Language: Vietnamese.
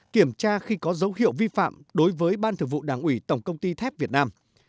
một kiểm tra khi có dấu hiệu vi phạm đối với ban thường vụ đảng ủy tổng công ty thép việt nam